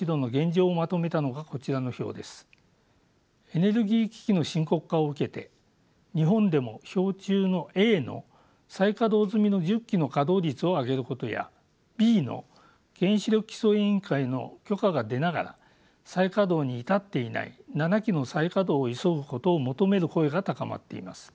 エネルギー危機の深刻化を受けて日本でも表中のの再稼動済みの１０基の稼働率を上げることやの原子力規制委員会の許可が出ながら再稼働に至っていない７基の再稼動を急ぐことを求める声が高まっています。